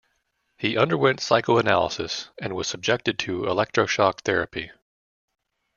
He underwent psychoanalysis and was subjected to electroshock therapy.